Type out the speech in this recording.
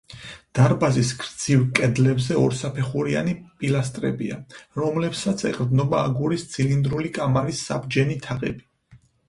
დარბაზის გრძივ კედლებზე ორსაფეხურიანი პილასტრებია, რომლებსაც ეყრდნობა აგურის ცილინდრული კამარის საბჯენი თაღები.